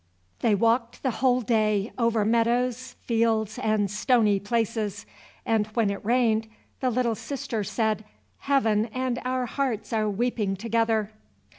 They walked the whole day over meadows, fields, and stony places; and when it rained the little sister said, "Heaven and our hearts are weeping together."